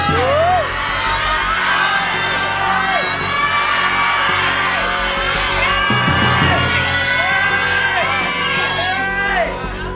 แม่น